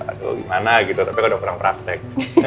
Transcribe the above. aduh gimana gitu tapi udah kurang praktek